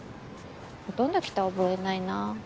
ほとんど来た覚えないな。